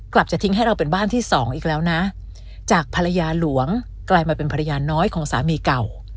จะทิ้งให้เราเป็นบ้านที่สองอีกแล้วนะจากภรรยาหลวงกลายมาเป็นภรรยาน้อยของสามีเก่า